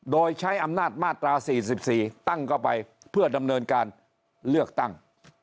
โดยใช้อำนาจมาตรา๔๔ตั้งเข้าไปเพื่อดำเนินการเลือกตั้ง